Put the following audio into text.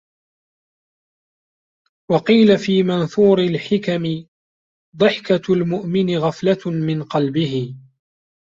وَقِيلَ فِي مَنْثُورِ الْحِكَمِ ضِحْكَةُ الْمُؤْمِنِ غَفْلَةٌ مِنْ قَلْبِهِ